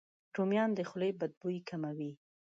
رومیان د خولې بد بوی کموي.